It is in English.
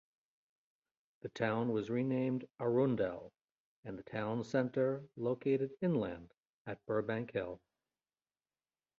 The town was renamed Arundel, and the town center located inland at Burbank Hill.